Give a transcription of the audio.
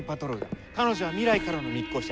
彼女は未来からの密航者。